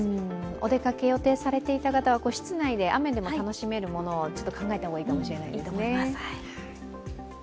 お出かけ予定されていた方は室内で雨でも楽しめるものを考えた方がいいかもしれませんね。